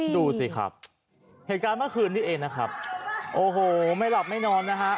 ดูสิครับเหตุการณ์เมื่อคืนนี้เองนะครับโอ้โหไม่หลับไม่นอนนะฮะ